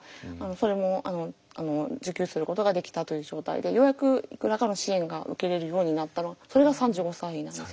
それも受給することができたという状態でようやくいくらかの支援が受けれるようになったのがそれが３５歳なんですよね。